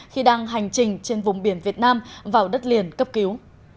khi đang hành trình trên vùng biển việt nam vào đất liền cấp cứu